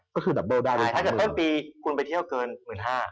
ครับก็คือได้ถ้าเกิดเพิ่มปีคุณไปเที่ยวเกินหมื่นห้าอ่า